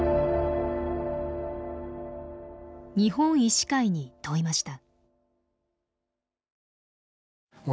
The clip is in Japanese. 日本医師会に問いました。